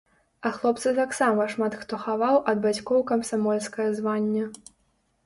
А хлопцы таксама шмат хто хаваў ад бацькоў камсамольскае званне.